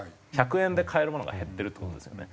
１００円で買えるものが減ってるって事ですよね。